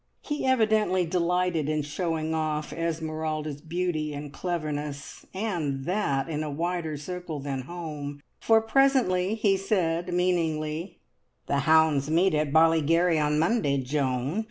He evidently delighted in showing off Esmeralda's beauty and cleverness, and that in a wider circle than home, for presently he said meaningly "The hounds meet at Balligarry on Monday, Joan.